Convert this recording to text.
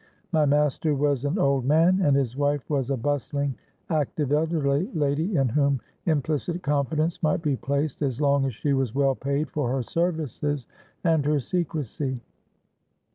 My master was an old man; and his wife was a bustling, active, elderly lady, in whom implicit confidence might be placed as long as she was well paid for her services and her secresy.